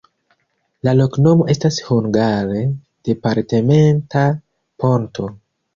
La loknomo estas hungare: departementa-ponto.